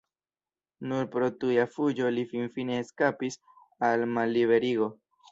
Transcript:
Nur pro tuja fuĝo li finfine eskapis al malliberigo.